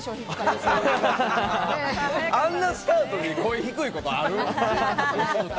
あんなスタートで声、低いことある？